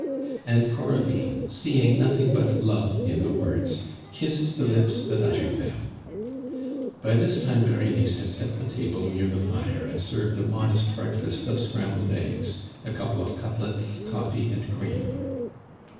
And Coralie, seeing nothing but love in the words, kissed the lips that uttered them. By this time Berenice had set the table near the fire and served a modest breakfast of scrambled eggs, a couple of cutlets, coffee, and cream.